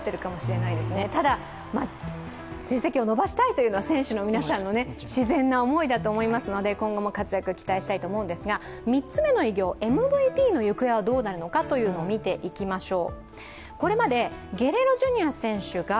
ただ、成績を伸ばしたいというのは、選手の皆さんの自然な思いだと思いますので今後も活躍を期待したいと思いますが、３つ目の偉業、ＭＶＰの行方はどうなるのかというのを見ていきましょう。